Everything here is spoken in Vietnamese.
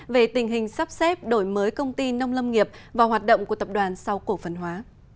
về tình hình sắp xếp đổi mới công ty nông lâm nghiệp và hoạt động của tập đoàn sau cổ phần hóa